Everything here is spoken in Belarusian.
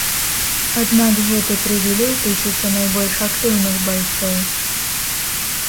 Аднак гэты прывілей тычыцца найбольш актыўных байцоў.